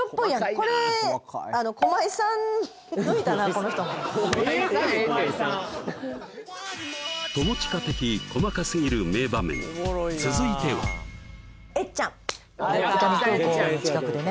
この人も友近的細かすぎる名場面続いては伊丹空港の近くでね